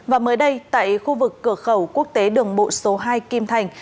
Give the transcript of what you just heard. và mới đây tại khu vực cửa khẩu quốc tế đường bộ số hai kim thành